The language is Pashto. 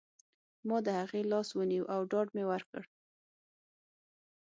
ما د هغې لاس ونیو او ډاډ مې ورکړ